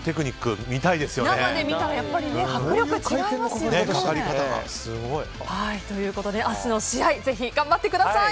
生で見たらやっぱり迫力違いますよね。ということで、明日の試合ぜひ頑張ってください！